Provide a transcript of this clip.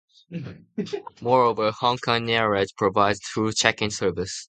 Moreover, Hong Kong Airlines provides through check-in service.